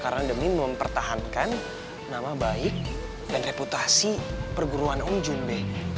karena demi mempertahankan nama baik dan reputasi perguruan om jun be